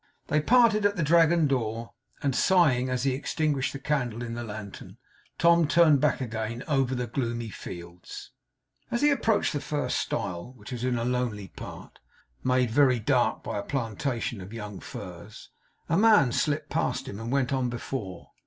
They parted at the Dragon door; and sighing as he extinguished the candle in the lantern, Tom turned back again over the gloomy fields. As he approached the first stile, which was in a lonely part, made very dark by a plantation of young firs, a man slipped past him and went on before.